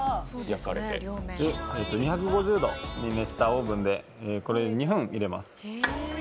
２５０度に熱したオーブンで２分入れます。